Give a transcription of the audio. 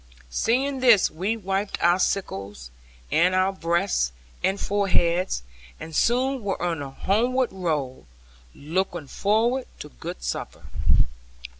Seeing this we wiped our sickles, and our breasts and foreheads, and soon were on the homeward road, looking forward to good supper.